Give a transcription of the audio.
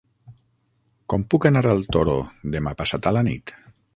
Com puc anar al Toro demà passat a la nit?